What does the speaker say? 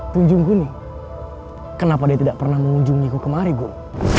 tunjungkuni kenapa dia tidak pernah mengunjungiku kemari guru